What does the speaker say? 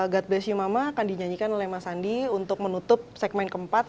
god bless you mama akan dinyanyikan oleh mas andi untuk menutup segmen keempat